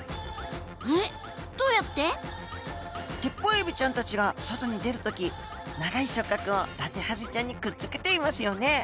テッポウエビちゃんたちが外に出るとき長い触覚をダテハゼちゃんにくっつけていますよね。